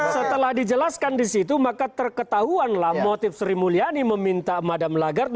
setelah dijelaskan di situ maka terketahuanlah motif sri mulyani meminta madam lagarde